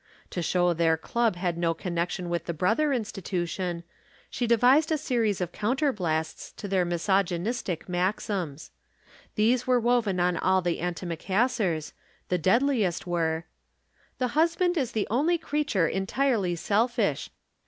To show their club had no connection with the brother institution, she devised a series of counterblasts to their misogynic maxims. These were woven on all the antimacassars; the deadliest were: The husband is the only creature entirely selfish.